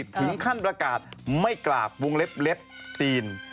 ถึงขั้นประกาศไม่กราบวงเล็บจีน